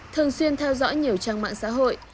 thường xuyên theo dõi nhiều trang mạng xã hội